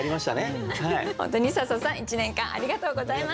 本当に笹さん１年間ありがとうございました。